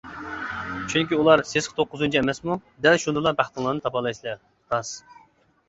چۈنكى ئۇلار «سېسىق توققۇزىنچى» ئەمەسمۇ! ؟. دەل شۇندىلا بەختىڭلارنى تاپالايسىلەر! ؟. راست!